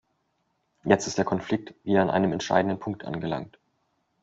Jetzt ist der Konflikt wieder an einem entscheidenden Punkt angelangt.